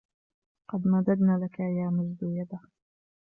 قد مددنا لك يا مجد يدا